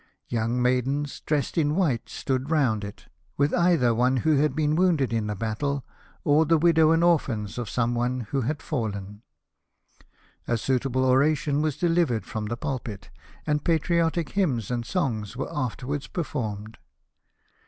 Young maidens, dressed in white, stood round it, with either one who had been wounded in the battle, or the widow and orphans of someone who had fallen. A suitable oration was delivered from the pulpit, and patriotic hymns and songs were afterwards performed.